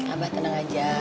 abah tenang aja